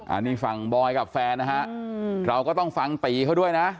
อันนี้ฝั่งบอยกับแฟนนะฮะเราก็ต้องฟังตีเขาด้วยนะ